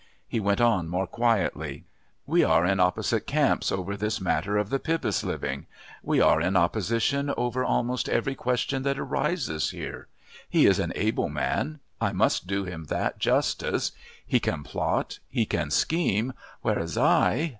He went on more quietly: "We are in opposite camps over this matter of the Pybus living we are in opposition over almost every question that arises here. He is an able man. I must do him that justice. He can plot...he can scheme...whereas I..."